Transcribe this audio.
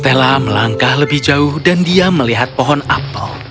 stella melangkah lebih jauh dan dia melihat pohon apel